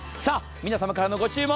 皆様からのご注文